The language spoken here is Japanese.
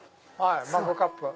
マグカップ。